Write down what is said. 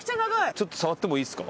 ちょっと触ってもいいですか？